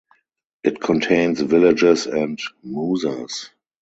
It contains villages and mouzas.